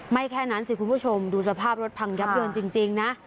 แค่นั้นสิคุณผู้ชมดูสภาพรถพังยับเยินจริงนะ